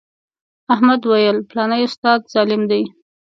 احمد ویل فلانی استاد ظالم دی.